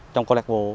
trong cơ lạc vụ